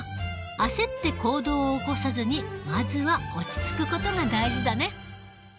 あせって行動を起こさずにまずは落ち着くことが大事だね。